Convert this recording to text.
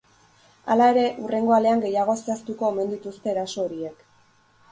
Hala ere, hurrengo alean gehiago zehaztuko omen dituzte eraso horiek.